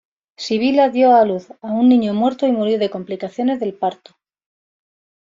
Sibila dio a luz a un niño muerto y murió de complicaciones del parto.